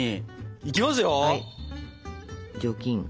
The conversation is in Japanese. いきますよ。